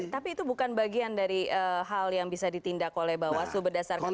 tapi itu bukan bagian dari hal yang bisa ditindak oleh bawaslu berdasarkan